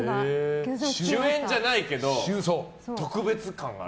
主演じゃないけど特別感がある。